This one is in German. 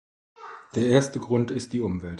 Der erste Grund ist die Umwelt.